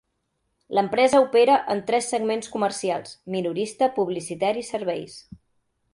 L'empresa opera en tres segments comercials: minorista, publicitari i serveis.